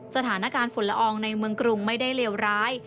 สถานการณ์ฝุ่นละอองในเมืองกรุงไม่ได้เลวร้าย